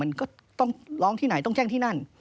มันก็ต้องร้องที่ไหนต้องแจ้งที่นั่น